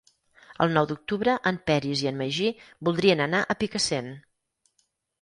El nou d'octubre en Peris i en Magí voldrien anar a Picassent.